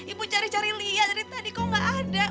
ibu cari cari lia dari tadi kok gak ada